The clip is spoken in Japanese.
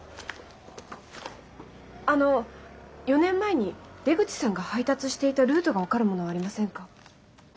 あの４年前に出口さんが配達していたルートが分かるものはありませんか？